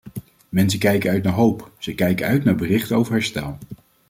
Mensen kijken uit naar hoop; ze kijken uit naar berichten over herstel.